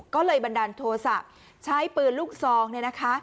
ก็เลยบันดาลโทษะใช้ปืนลูกซอง